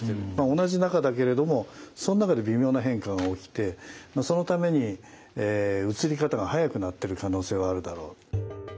同じ中だけれどもその中で微妙な変化が起きてそのために移り方が速くなってる可能性はあるだろう。